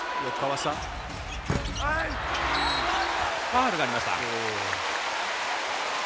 ファウルがありました。